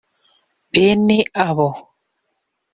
Bene abo